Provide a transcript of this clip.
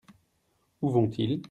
Où vont-ils ?